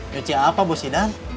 nyuci apa bos idan